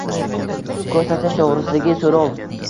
ko‘rsatish to‘g‘risidagi so‘rov